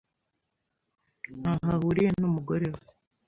Ntaho ahuriye numugore we.